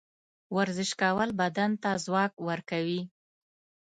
ورزش کول بدن ته ځواک ورکوي.